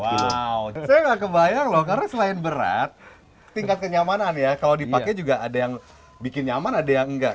wow saya nggak kebayang loh karena selain berat tingkat kenyamanan ya kalau dipakai juga ada yang bikin nyaman ada yang enggak